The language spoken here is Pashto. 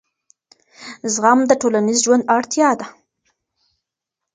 زغم د ټولنیز ژوند اړتیا ده.